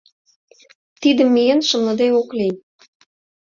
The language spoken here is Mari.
Тидым миен шымлыде ок лий!